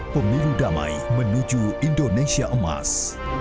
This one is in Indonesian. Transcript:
pemilu damai menuju indonesia emas